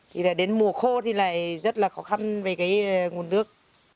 thì là đến mùa khô thì lại rất là khó khăn về cái nguồn nước